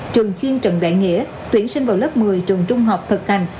trường chuyên trận đại nghĩa tuyển sinh vào lớp một mươi trường trung học thực hành